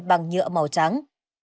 bằng nhựa màu trắng